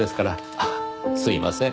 あっすいません。